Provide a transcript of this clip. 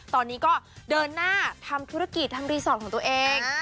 ตอนนี้ก็เดินหน้าทำธุรกิจทั้งห์รี่ซอฟต์ของตัวเอง